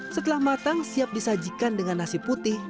setelah matang siap disajikan dengan nasi putih